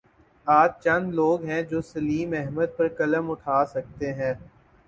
آج چند لوگ ہیں جو سلیم احمد پر قلم اٹھا سکتے ہیں۔